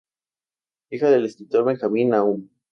Hija del escritor Benjamín Nahum.